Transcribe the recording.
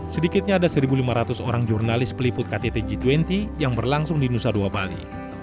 sedikitnya ada satu lima ratus orang jurnalis peliput kttg dua puluh yang berlangsung di nusa dua bali